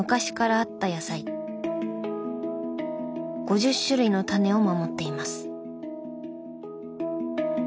５０種類のタネを守っています。